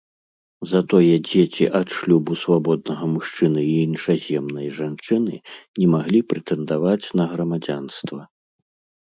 Затое дзеці ад шлюбу свабоднага мужчыны і іншаземнай жанчыны не маглі прэтэндаваць на грамадзянства.